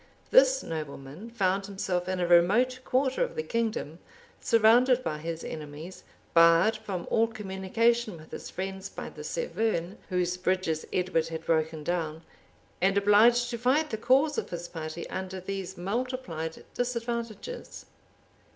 This nobleman found himself in a remote quarter of the kingdom; surrounded by his enemies; barred from all communication with his friends by the Severn, whose bridges Edward had broken down; and obliged to fight the cause of his party under these multiplied disadvantages.